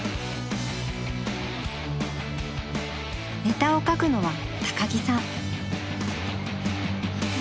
ネタを書くのは高木さん。